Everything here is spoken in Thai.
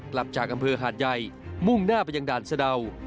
กลับจากอำเภอหาดใหญ่มุ่งหน้าไปยังด่านสะดาว